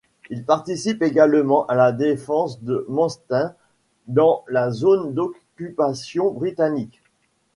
Il participe également à la défense de Manstein dans la zone d'occupation britannique.